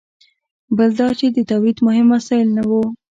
بل دا چې د تولید مهم وسایل نه وو.